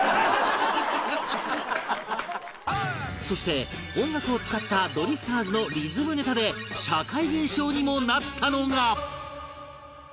そして音楽を使ったドリフターズのリズムネタで社会現象にもなったのが